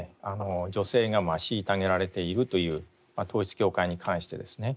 女性が虐げられているという統一教会に関してですね